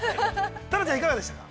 ◆タナちゃん、いかがでしたか。